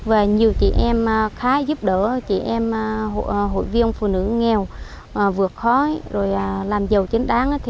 và nhiều chị em khá giúp đỡ chị em hội viêng phụ nữ nghèo vượt khói rồi làm giàu chính đáng